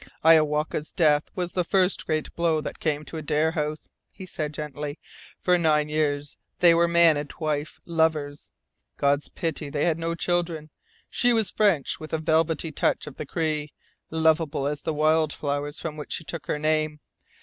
"Iowaka's death was the first great blow that came to Adare House," he said gently. "For nine years they were man and wife lovers. God's pity they had no children. She was French with a velvety touch of the Cree, lovable as the wild flowers from which she took her name.